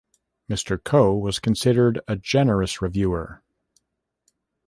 Mr. Coe was considered a generous reviewer.